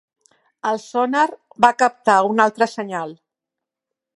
El sonar va captar un altre senyal.